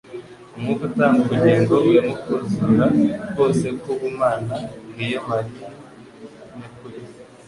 Umwuka utanga ubugingo, urimo kuzura kose k'ubumana; ngiyo Mariu nyakuri.